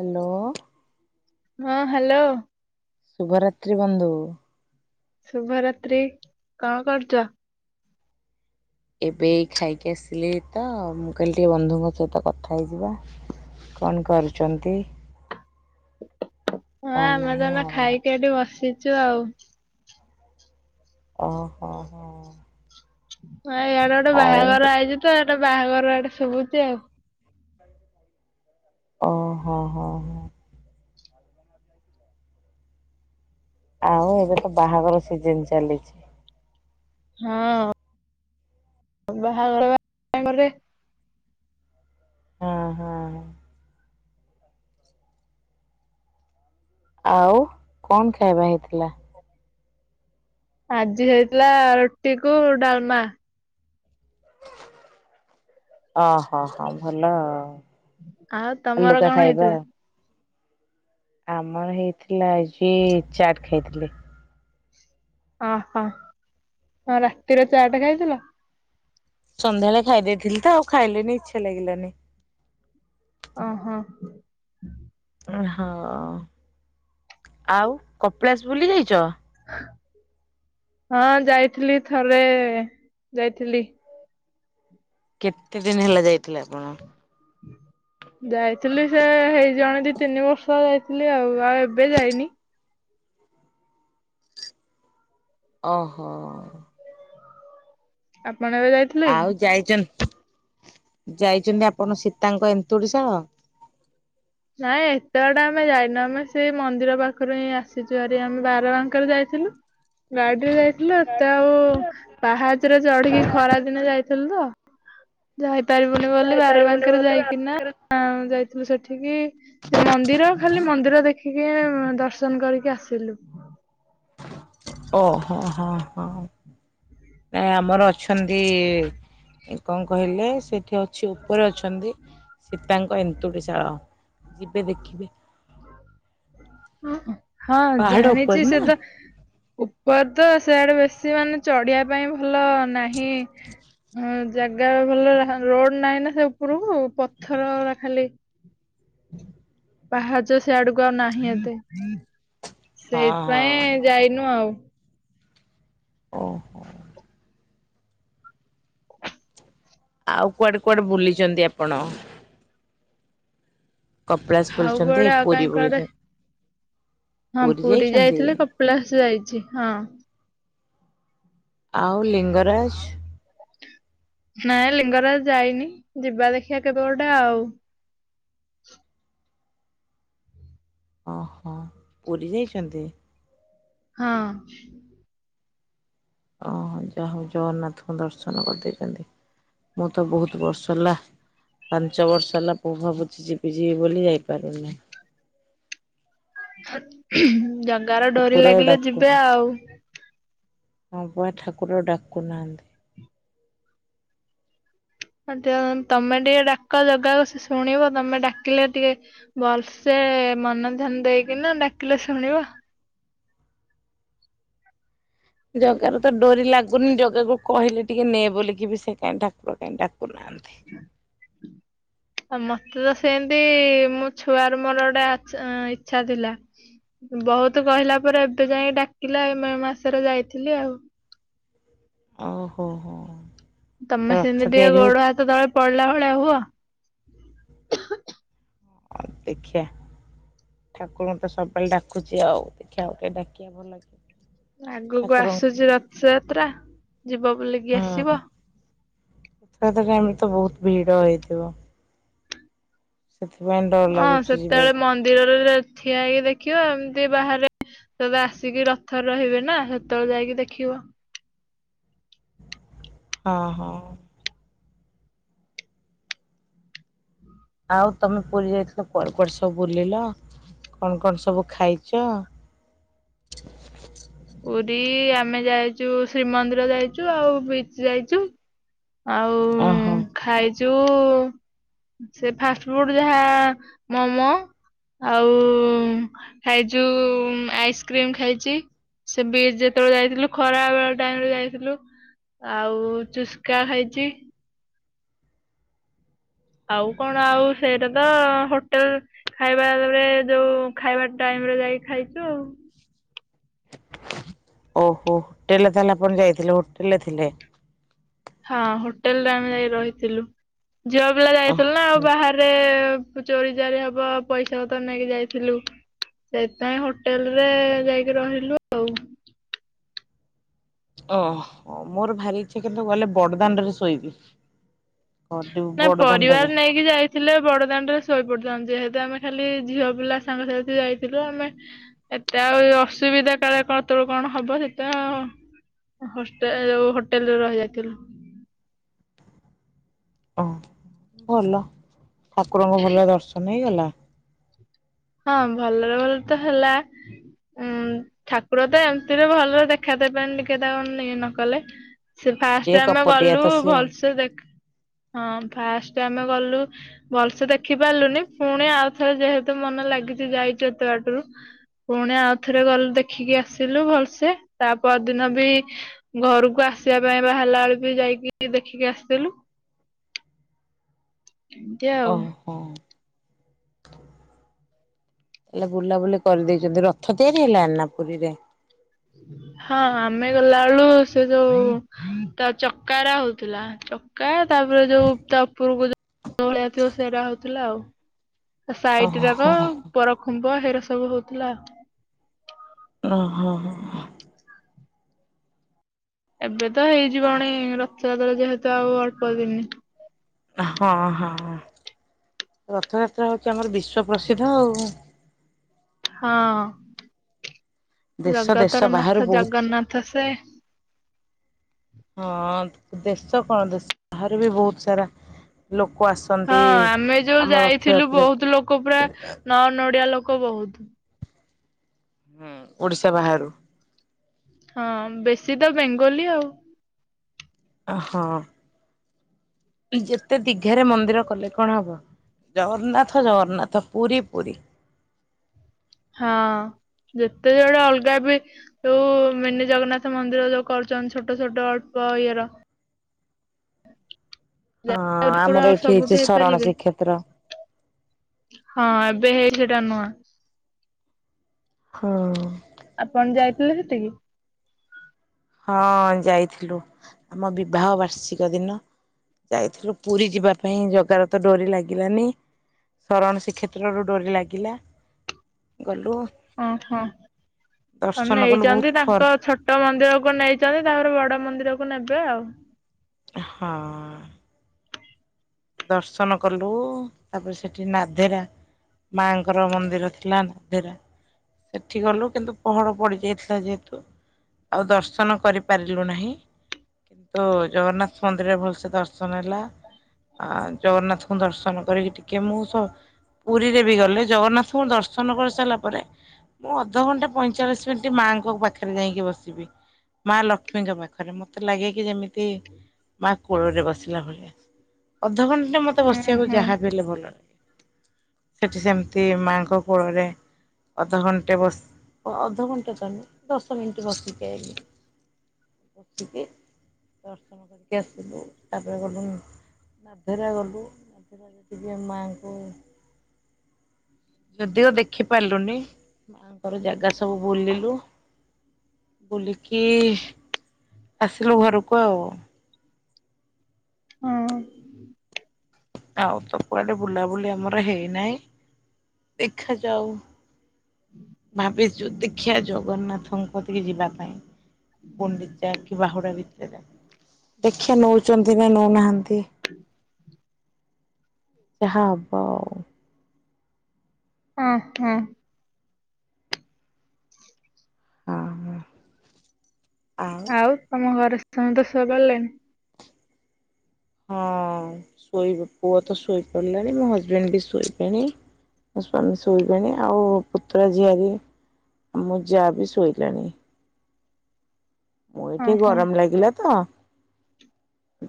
Hello. ହଁ hello. ଶୁଭ ରାତ୍ରି ବନ୍ଧୁ। ଶୁଭରାତ୍ରି କଣ କରଚ? ଏବେ ଏଇ ଖାଇକି ଆସିଲି ତ ମୁଁ କହିଲି ଟିକେ ବନ୍ଧୁଙ୍କ ସହିତ କଥା ହେଇଯିବା କଣ କରୁଚନ୍ତି ହଁ ଆମେ ତ ଏନା ଆଉ ଖାଇକି ଏଠି ବସିଛୁ ଆଉ ଓ ହୋ ହୋ। ଆ ଏୟାଡେ ଗୋଟେ ଆଉ ବାହାଘର ଆଇଚି ତ ଏଟେ ବାହାଘର ଏଠେ ଶୁଭୁଚି ଆଉ। ଓ ହୋ ହଁ ହ। ଆଉ ଏବେ ତ ବାହାଘର ସିଜିନ୍ ଚାଲିଛି। ହଁ ବାହାଘର ବାରେ ହୁଁ ହୁଁ। ଆଉ କଣ ଖାଇବା ହେଇଥିଲା? ଆଜି ହେଇଥିଲା ରୁଟି କୁ ଡାଲମା। ଓହୋ ହଁ ଭଲ ଆ ଆଉ ତମର କଣ ହେଇଥିଲା? ଆମର ହେଇଥିଲା ଆଜି ଚାଟ ଖାଇଥିଲି। ଅ ହ ରାତିରେ ଚାଟେ ଖାଇଥିଲ? ସନ୍ଧ୍ୟାବେଳେ ଖାଇ ଦେଇଥିଲି ତ ଆଉ ଖାଇଲିନି ଇଛା ଲାଗିଲାନି। ଓ ହୋ। ହଁ ହୋଉ ଆଉ କପିଳାସ ବୁଲି ଯାଇଚ? ହଁ ଯାଇଥିଲି ଥରେ ଯାଇଥିଲି। କେତେ ଦିନ ହେଲା ଯାଇଥିଲେ ଆପଣ? ଯାଇଥିଲି ସେ ହେଇ ଜିବଣି ଦି ତିନି ବର୍ଷ ଯାଇଥିଲି ଆଉ ଆଉ ଏବେ ଯାଇନି। ଓହୋ। ଭଣଜା ଯାଇଥିଲେ କି? ଆଉ ଯାଇଚ ଯାଇଛନ୍ତି ଆପଣ ସୀତାଙ୍କ ଏନ୍ତୁଡିଶାଳ? ନାଇଁ ଏତେ ବାଟ ଆମେ ଯାଇନୁ ଆମେ ସେଇ ମନ୍ଦିର ପାଖରୁ ହିଁ ଆସିଛୁ ହାରି ଆମେ ବାର ବାଙ୍କରେ ଯାଇଛୁ ଥିଲୁ। ଗାଡିରେ ଯାଇଥିଲୁ ଏ ତେ ଆଉ ପାହାଚରେ ଚଢିକି ଖରା ଦିନେ ଯାଇଥିଲୁ ତ ଯାଇପାରିବୁନି ବୋଲି ଯାଇପାରିବୁନି ବାରବାଙ୍କରେ ବୋଲି ଯାଇକିନା ବାହାଘର ଯାଇଥିଲୁ ସେଠ ଏଠିକି ସେ ମନ୍ଦିର ଖାଲି ମନ୍ଦିର ଦେଖ ଖିକି ଦର୍ଶନ କରିକି ଆସିଲୁ। ଓହୋ ହଁ ହଁ ନାଇଁ ଆମର ଅଛନ୍ତି କଣ କହିଲେ ସେଠି ଆଉ ସେ ଉପରେ ଅଛନ୍ତି ସୀତାଙ୍କ ଏନ୍ତୁଡ଼ିଶାଳ ଯିବେ ଦେଖିବେ ହଁ ହଁ ପାହାଡ ଉପରେ ଜାଣିଛି ନା ସେ ହଁ ତ ଉପର ତ ସେଆଡେ ବେଶୀ ମାନେ ଚଢିବା ପାଇଁ ଭଲ ନାହିଁ ଉଁ ଜାଗା ଭଲ ରା ରୋଡ଼ ନାହିଁ ନା ସେ ଉପରକୁ ପଥରଉରା ଖାଲି ହଁ। ପାହାଚ ସେ ଆଡ଼କୁ ଆଉ ନାହିଁ ଏତେ ହଁ ସେଇଥିପାଇଁ ଯାଇନୁ ଆଉ। ଓହୋ। ଆଉ କୁଆଡ଼େ କୁଆଡ଼େ ବୁଲିଛନ୍ତି ଆପଣ? କପିଳାସ ଆଉ ବୁଲିଛନ୍ତି କୁଆଡ଼େ ଆଉ ପୁରୀ କାହିଁ କୁଆଡ଼େ ବୁଲିଛନ୍ତି ହଁ ପୁରୀ ଯାଇଥିଲେ କପିଳାସ ଯାଇଛି ହଁ। ଆଉ ଲିଙ୍ଗରାଜ ନାଇଁ ଲିଙ୍ଗରାଜ ଯାଇନି ଯିବା ଦେଖିବା କେବେ ଗୋଟେ ଆଉ। ଓହୋ ପୁରୀ ଯାଇଛନ୍ତି। ହଁ। ଓ ଯାହା ହଉ ଜଗନ୍ନାଥଙ୍କୁ ଦର୍ଶନ କରିଦେଇଛନ୍ତି। ମୁଁ ତ ବହୁତ ବର୍ଷ ହେଲା ପାଞ୍ଚ ବର୍ଷ ହେଲା ମୁୁଁ ଭାବୁଛି ଯିବି ଯିବି ବୋଲି ଯାଇପାରୁନି। ଜଗାର ଡ଼ୋରି ଠାକୁର ଲାଗିଲେ ଡାକୁ ଯିବେ ଆଉ। ହଁ ପା ଠାକୁର ଡାକୁ ନାହାନ୍ତି। ତମେ ଟିକେ ଡ଼ାକ ଜଗାକୁ ସେ ଶୁଣିବ ତମେ ଡ଼ାକିଲେ ଟିକେ ଭଲସେ ମନ ଧ୍ୟାନ ଦେଇକି ନା ଡାକିଲେ ଶୁଣିବ। ଜଗାର ତ ଡ଼ୋରି ଲାଗୁନି ଜଗାକୁ କହିଲେ ଟିକେ ନେ ବଲିକି ବି ସେ କାହିଁ ଠାକୁର ଡ଼ାକୁନ ଆନ୍ତି। ମତେ ତ ସେମତି ମୋ ଛୁଆ ର ମୋର ଗୋଟେ ଇଚ୍ଛା ଥିଲା। ବହୁତ କହିଲା ପରେ ଏବେ ଯାଇକ ଡ଼ାକିଲା ଏ ମାସରେ ଯାଇଥିଲି ଆଉ। ଓହୋ ହୋ। ତମେ ରଥ ସେମିତି ଟିକେ ତିଆରି ହଉ ଗୋଡ଼ ହାତ ତଳେ ପଡ଼ିଲା ପଳ ହୁଅ। ଦେଖିବା। ଠାକୁରଙ୍କୁ ତ ସବବେଳେ ଡ଼ାକୁଚି ଆଉ ଦେଖିବା ଟିକେ ଡ଼ାକିବା ଭଲ ଲାଗେ ଆଗକୁ ଆସୁଛି ରଥଯାତ୍ରା ଯିବ ବୁଲିକି ଆସିବ। ରଥ ଟାଇମ ରେ ତ ବହୁତ ଭିଡ଼ ହେଇଥିବ। ସେଥିପାଇଁ ଡର ହଁ ଲାଗୁଛି ଯିବା ସେତେବେଳେ ପାଇଁ ମନ୍ଦିରରେ ଠିଆ ହେଇକି ଦେଖିବା ଏମତି ବାହାରେ ତବେ ଆସିକି ରଥରେ ରହିବେ ନା ସେତେବେଳେ ଯାଇକି ଦେଖିବ। ହଁ ହଁ। ଆଉ ତମେ ପୁରୀ ଯାଇଥିଲ କୁଆଡେ କୁଆଡେ ସବୁ ବୁଲିଲ। କଣ କଣ ସବୁ ଖାଇଛ? ପୁରୀ ଆମେ ଯାଇଛୁ ଶ୍ରୀମନ୍ଦିର ଯାଇଛୁ ଆଉ ବିଚ ଯାଇଛୁ ଆଉ ଓହୋ ଖାଇଛୁ ସେ ଫାଷ୍ଟ ଫୁଡ ଯାହା ମୋମୋ ଆଉ ଖାଇଛୁ ଆଇସ୍କ୍ରିମ ଖାଇଛି। ସେ ବି୍ରଜ ଯେତେବେଳେ ଯାଇଥିଲୁ ଖରା ବେଳ ଟାଇମ ରେ ଯାଇଥିଲୁ। ଆଉ ଚୁସ୍କା ଖାଇଛି। ଆଉ କଣ ଆଉ ସେଇଟା ତ ହୋଟେଲ ଖାଇବା ଯୋଉ ଖାଇବା ଟାଇ ଆମ ଯାଇକି ଖାଇଛୁ ଆଉ। ଓହୋ ହୋଟେଲରେ ତାହେଲେ ଆପଣ ଯାଇଥିଲେ ହୋଟେଲ ରେ ଥିଲେ। ହଁ ହୋଟେଲ ରେ ଆମେ ଯାଇ ରହିଥିଲୁ ଝିଅ ପିଲା ଯାଇଥିଲୁ ନା ଆଉ ଓହୋ ବାହାରେ ଚୋରି ଚାର ହବ ପଇସା ହ ତ ନେଇକି ଯାଇଥିଲୁ। ସେଇଥିାଇଁ ହୋଟେଲ ରେ ଯାଇକି ରହିଲୁ ଆଉ। ଓ ମୋର ଭାରି ଇଚ୍ଛା କିନ୍ତୁ ଗଲେ ବଡ଼ଦାଣ୍ଡ ରେ ଶୋଇବି। ଗଡିବୁ ନା ବଡଦାଣ୍ଡରେ ପରିବାର ନେଇକି ଯାଇଥିଲେ ବଡଦାଣ୍ଡରେ ଶୋଇପଡିଥାନ୍ତେ ଯେହେତୁ ଆମେ ଖାଲି ଝିଅ ପିଲା ସାଙ୍ଗସାଥି ଯାଇଥିଲୁ ଆମେ ଏତେ ଆଉ ଅସୁବିଧା କାର କଣ ହବ ସେଟ ହ ଯ ହୋଟେଲରେ ରହିଯାଇଥିଲୁ। ହ ହ ଭଲ, ଠାକୁରଙ୍କ ଭଲ ଦର୍ଶନ ହେଇଗଲା। ହଁ, ଭଲରେ ଭଲ ତ ହେଲା। ଉଁ ଠାକୁର ତ ଏମିତିରେ ଭଲ ଦେଖା ଦେବେନି, ଟିକେ ତାକୁ, ଇଏ ନ କଲେ। ସେ ଫାଷ୍ଟ ଟିକେ ଆମେ କପଟିଆ ଗଲୁ ତ ସିଏ ଆଉ। ଭଲସେ ଦେଖ, ହଁ ଫାଷ୍ଟ ଆମେ ଗଲୁ ଭଲଷେ ଦେଖି ପାରିଲୁନି। ଫୁଣି ଆଉଥରେ ଯେହେତୁ ମନ ଲାଗିଛି ଯାଇଛୁ ଏତେ ବାଟରୁ। ଫୁଣି ଆଉଥରେ ଗଲୁ ଦେଖିକି ଆସିଲୁ ଭଲସେ। ତା ପରଦିନ ବି ଘରକୁ ଆ ଆସିବା, ପାଇଁ ବାହାରିଲା ବେଳୁ ବି ଯାଇକି ଦେଖିକି ଆସିଥିଲୁ। ଏମିତି ଆଉ। ଓ ହୋ। ହେଲେ ବୁଲାବୁଲି କରିଦେଇଛନ୍ତି। ରଥ ତିଆରି ହେଲାଣି ନା ପୁରୀରେ? ହଁ, ଆମେ ଗଲା ବେଳୁ ସେ ଯୋଉ ତା ଚକା ରା ହଉଥିଲା। ଚକା ତାପରେ ଯୋଉ ତା ଉପରକୁ ଯୋ, ଭଳିଆ ଥିବ ସେଇରା ହଉଥିଲା ଆଉ। ସାଇଟ ରାକ, ଓହୋ ପରଖୁମ୍ବ ହେରା ସବୁ ହଉଥିଲା। ଓ ହୋ ଏବେ ତ ହେଇ ଜୀବଣି, ରଥଯାତ୍ରା ଯେହେତୁ ଆଉ ଅଳ୍ପ ଦିନ। ହଁ, ହଁ। ରଥଯାତ୍ରା ହଉଛି ଆମର, ବିଶ୍ଵ ପ୍ରସିଦ୍ଧ ଆଉ। ହଁ। ଦେଶ ଜଗତର ଦେଶ ନାଥ ବାହାରୁ ବହୁତ, ଜଗନ୍ନାଥ ସେ ହଁ। ଦେଶ କଣ? ଦେଶ ବାହହାର ବି ବହୁତ ସାରା, ଲୋକ ହଁ ଆସନ୍ତି ଆମେ ଯୋଉ ଆମ ଯାଇଥିଲୁ, ରଥଯାତ୍ରାକୁ। ବହୁତ ଲୋକ ପୁରା ନ୍ନ ଓଡିଆ ଲୋକ ବହୁତ। ହୁଁ ଓଡିଶା ବାହାରୁ। ହଁ ବେଶୀ ତ ବେଙ୍ଗଲୀ ଆଉ। ହଁ। ଯେତେ ଦିଘାରେ, ମନ୍ଦିର କଲେ କଣ ହବ ଜଗନ୍ନାଥ, ଜଗନ୍ନାଥ ପୁରୀ, ପୁରୀ। ହଁ। ଯେତେ ଜୁଆଡେ ଅଲଗା ବି, ଯୋଉ ମିନି ଜଗନ୍ନାଥ ମନ୍ଦିର ଯୋଉ କରୁଛନ୍ତି ଛୋଟ ଛୋଟ ଅଳ୍ପ ଇଏର ହଁ ଜଗନ୍ନାଥ ଠାକୁର ଆମର ଆଉ ଏଠି ହେଇଛି ସବୁଠି ଶରଣ ହେଇପାରିବେ। ଶ୍ରୀକ୍ଷେତ୍ର। ହଁ ଏବେ ହେଇ ସେଟା ନୁଆଁ। ହଁ। ଆପଣ ଯାଇଥିଲେ ସେଠିକି? ହଁ ଯାଇଥିଲୁ। ଆମ ବିବାହ ବାର୍ଷିକ ଦିନ। ଯାଇଥିଲୁ ପୁରୀ ଯିବା ପାଇଁ। ଜଗାର ତ ଡୋରି ଲାଗିଲାନି। ସରଣ ଶ୍ରୀକ୍ଷେତ୍ରରୁ, ଡୋରି ଲାଗିଲା। ଗଲୁ ଓହୋ। ଦର୍ଶନ କଲୁ ବହୁତ ନେଇଛନ୍ତି ଖର ତାଙ୍କ ଛୋଟ ମନ୍ଦିର କୁ ନେଇ ଛନ୍ତି, ତାପରେ ବଡ ମନ୍ଦିର କୁ ନେବେ ଆଉ। ହଁ। ଦର୍ଶନ କଲୁ। ତାପରେ ସେଠି ନାଧେରା ମା ଙ୍କର ମନ୍ଦିର ଥିଲା। ନାଧେରା। ସେଠି ଗଲୁ। କିନ୍ତୁ ପହଡ ପଡି ଯାଇଥିଲା, ଯେହେତୁ ଆଉ ଦର୍ଶନ କରିପାରିଲୁ ନାହିଁ କିନ୍ତୁ ଜଗନ୍ନାଥ ମନ୍ଦିରରେ, ଭଲସେ ଦର୍ଶନ ହେଲା। ଆ ଜଗନ୍ନାଥଙ୍କୁ ଦର୍ଶନ କରିକି, ଟିକେ ମୁଁ ସ ପୁରୀରେ ବି ଗଲେ। ଜଗନ୍ନାଥଙ୍କୁ ଦର୍ଶନ କରିସାରିଲା ପରେ, ମୁଁ ଅଧଘଣ୍ଟା ପଇଁଚାଳିଶ ମିନିଟ ମାଙ୍କ ପାଖରେ ଯାଇକି ବସିବି। ମା ଲକ୍ଷ୍ମୀଙ୍କ ପାଖରେ। ମତେ ଲାଗେ କି ଯେମିତି କି ମା କୋଳରେ ବସିଲା ଭଳିଆ। ଅଧଘଣ୍ଟେ ମତେ ଉଁ ବସିବାକୁ ହୁଁ ଯାହାବି ହେଲେ ଭଲ ଲା ସେଠି ସେମିତି ମାଙ୍କ କୋଳରେ ଅଧ ଘଣ୍ଟେ ବସ ଅଧ ଘଣ୍ଟେ ଚାଲି ଦଶ ମିନିଟ ବସିକି ଆଇଲି। ବସିକି ଦର୍ଶନ କରିକି ଆସିଲୁ, ତାପରେ ଗଲୁ ମାଧେରା ଗଲୁ [unintelligible] ଟିକେ ମାଆଙ୍କୁ ଯଦିଓ ଦେଖିପାରିଲୁନି, ମାଆଙ୍କର ଜାଗା ସବୁ ବୁଲିଲୁ। ବୁଲିକି ଆସିଲୁ ଘରକୁ ଆଉ। ହଁ। ଆଉ ତ କୁଆଡେ ବୁଲାବୁଲି ଆମର ହେଇନାହିଁ? ଦେଖାଯାଉ ଭାବିଚୁ ଦେଖିଆ ଜଗନ୍ନାଥଙ୍କ କତିିକି ଯିବା ପାଇଁ। ଗୁଣ୍ଡିଚା କି ବାହୁଡ଼ା ଭିତେରେ। ଦେଖିବା ନଉଛନ୍ତି ନା ନଉନାହାନ୍ତି? ଯାହା ହବ ଆଉ। ହଁ- ହଁ। ଆଉ ହଁ ଆଉ ତମ ଘରେ ସମସ୍ତେ ଶୋଇ ପଇଲେଣିି? ହଁ ଶୋଇ ପୁଅ ତ ଶୋଇପଡ଼ିଲାଣି, ମୋ ହଜବେଣ୍ଡ ବି ଶୋଇବେଣି। ମୋ ସ୍ୱାମୀ ଶୋଇବେଣି ଆଉ ପୁତୁରା ଝିଆରି ମୋ ଯାଆ ବିି ଶୋଇଲାଣି। ମୁଁ ଓ ଏଇଠି ହୋ ଗରମ ଲାଗିଲା ତ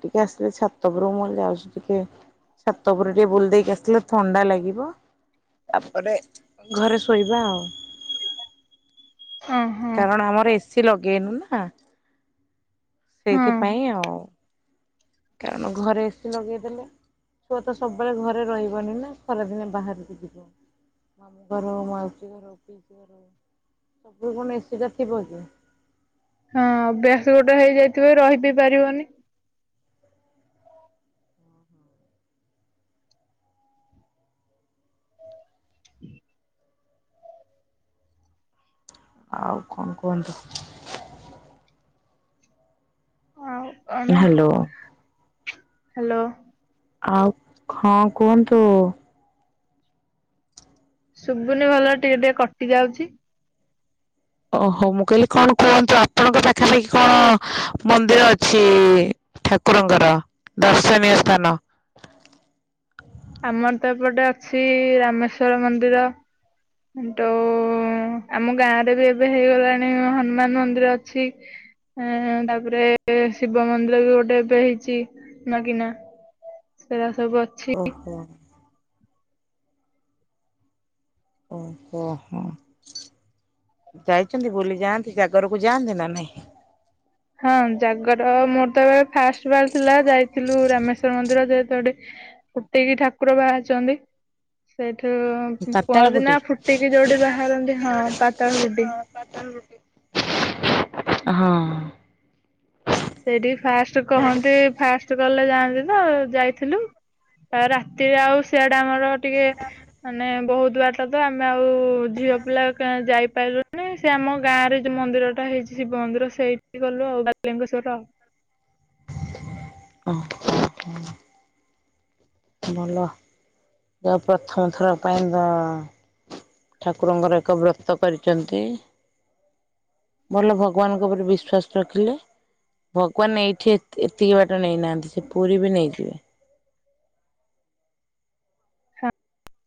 ଟିକେ ଆସିଲି ଛାତ ଉପରକୁ ଯାଉଛି ଟିକେ ଛାତ ଉପରେ ଟିକେ ବୁଲି ଦେଇକି ଆସିଲେ ଥଣ୍ଡା ଲାଗିବ। ତାପରେ ଘରେ ଶୋଇବା ଆଉ। ଓ ହୋ କାରଣ ଆମର ଏସି ଲଗେଇନୁ ନା। ହଁ ସେଇଥିପାଇଁ ଆଉ, କାରଣ ଘରେ ଏସି ଲଗେଇଦେଲେ ଛୁଆ ତ ସବୁବେଳେ ଘରେ ରହିବନି ନା ଖରାଦିନେ ବାହାରକୁ ଯିବ ମାମୁ ଘର, ମାଉସୀ ଘର, ପିଇସି ଘର ସବୁ କଣ ଏସି ଟା ଥିବ କି? ହଁ ଅଭ୍ୟାସ ଗୋଟେ ହେଇଯାଇଥିବ ରହି ବି ପାରିବନି। [inaudible] ଆଉ କଣ କୁହନ୍ତୁ? ଆଉ କଣ ହାଲୋ। ହ୍ୟାଲୋ। ଆଉ ହଁ କୁହନ୍ତୁ। ଶୁଭୁନି ଭଲରେ ଟିକେ ଟିକେ କଟି ଯାଉଛି। ଓହୋ ମୁଁ କହିଲି କଣ କୁହନ୍ତୁ, ଆପଣଙ୍କ ପାଖାପାଖି କଣ ମନ୍ଦିର ଅଛି? ଠାକୁରଙ୍କର ଦର୍ଶନୀୟ ସ୍ଥାନ। ଆମର ତ ଏପଟେ ଅଛି ରାମେଶ୍ଵର ମନ୍ଦିର। ତ ଆମ ଗାଁ ରେ ବି ଏବେ ହେଇଗଲାଣି ହନୁମାନ ମନ୍ଦିର ଅଛି। ହୁଁ ତାପରେ ଶିବ ମନ୍ଦିର ବି ଗୋଟେ ଏବେ ହେଇଛି ନୂଆ କିନା। ସେଇରା ସବୁ ଅଛି। ଓହୋ ଓ ହୋ ହଁ। ଯାଇଛନ୍ତି ବୁଲି ଯାଆନ୍ତି ଜାଗରକୁ ଯାଆନ୍ତି ନା ନାଇଁ? ହଁ ଜାଗର ମୋର ତ ଏବେ ଫାଷ୍ଟ ବାର ଥିଲା, ଯାଇଥିଲୁ ରାମେଶ୍ଵର ମନ୍ଦିର ଯେହେତୁ ଫୁଟେଇକି ଠାକୁର ବାହାରୁଛନ୍ତି, ସେ ପାତାଳ କୁହନ୍ତି ଫୁଟି? ନା ଫୁଟିକି ଯୋଉଠି ବାହାରନ୍ତି ହଁ ପାତାଳ ଫୁଟି। ହଁ। ସେଇଠି ଫାଷ୍ଟ କହନ୍ତି ଫାଷ୍ଟ କଲେ ଯାଆନ୍ତି। [unintelligible] ଯାଇଥିଲୁ ତା ପରେ ରାତିରେ ଆଉ ସିଆଡେ ଆମର ଟିକେ ମାନେ ବହୁତ ବାଟ ତ ଆମେ ଆଉ ଝିଅ ପିଲା ଯାଇ [unintelligible] ସେ ଆମ ଗାଁରେ ଯୋଉ ମନ୍ଦିରଟା ହେଇଛି ଶିବ ମନ୍ଦିର ସେଇଠି ଗଲୁ ଆଉ ବା [unintelligible] ଓ ହ। ଭଲ ଯା ପ୍ରଥମ ଥର ପାଇଁ ତ ଠାକୁରଙ୍କର ଏକ ବ୍ରତ କରିଚନ୍ତି। ଭଲ ଭଗବାନଙ୍କ ଉପରେ ବିଶ୍ଵାସ ରଖିଲେ। ଭଗବାନ ଏଇଠି ଏତିକି ବାଟ ନେଇନାହାନ୍ତି ସେ ପୁରୀ ବି ନେଇଯିବେ। [inaudible]